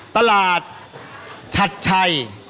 ตลาดชัดชัย